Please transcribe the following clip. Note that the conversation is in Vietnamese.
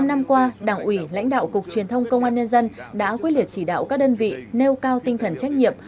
một mươi năm năm qua đảng ủy lãnh đạo cục truyền thông công an nhân dân đã quyết liệt chỉ đạo các đơn vị nêu cao tinh thần trách nhiệm